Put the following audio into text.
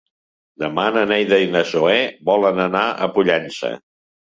Demà na Neida i na Zoè volen anar a Pollença.